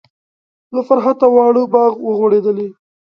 له فرحته واړه باغ و غوړیدلی.